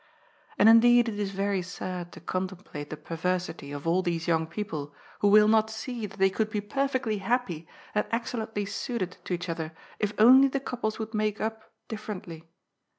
And indeed it is very sad to contemplate the perversity of all these young people who will not see that they could be per fectly happy and excellently suited to each other, if only the couples would make up differently.